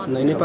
nah ini pak